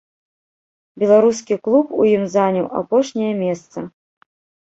Беларускі клуб у ім заняў апошняе месца.